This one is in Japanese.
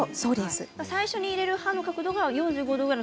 最初の入れる角度が４５度ぐらい。